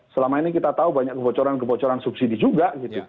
selama ini kita tahu banyak kebocoran kebocoran subsidi juga